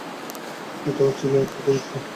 এটাও ছিল একটা পরীক্ষা।